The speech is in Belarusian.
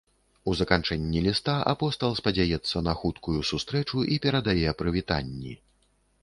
У заканчэнні ліста апостал спадзяецца на хуткую сустрэчу і перадае прывітанні.